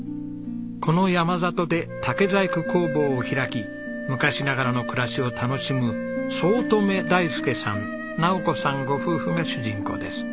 この山里で竹細工工房を開き昔ながらの暮らしを楽しむ五月女大介さん尚子さんご夫婦が主人公です。